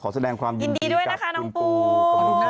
ก็ขอแสดงความยินดีด้วยนะคะน้องปู